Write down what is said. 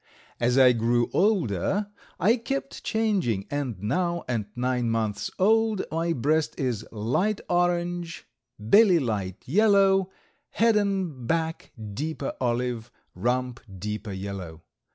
As I grew older I kept changing, and now at nine months old my breast is light orange, belly light yellow, head and back deeper olive, rump deeper yellow.